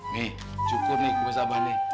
mi cukup nih kebiasaan abah nih